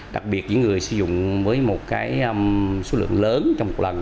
đặc biệt những người sử dụng với một cái số lượng lớn trong một lần